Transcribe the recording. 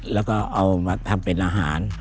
แล้วก็เอามาทำเป็นอาหาร